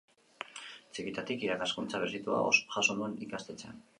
Txikitatik irakaskuntza berezitua jaso zuen ikastetxean.